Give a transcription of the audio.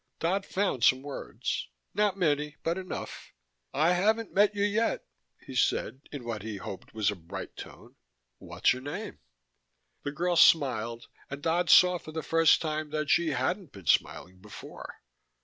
Dodd found some words, not many but enough. "I haven't met you yet," he said in what he hoped was a bright tone. "What's your name?" The girl smiled, and Dodd saw for the first time that she hadn't been smiling before.